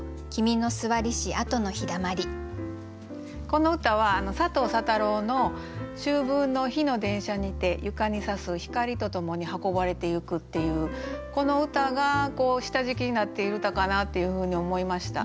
この歌は佐藤佐太郎の「秋分の日の電車にて床にさす光とともに運ばれて行く」っていうこの歌が下敷きになっている歌かなっていうふうに思いました。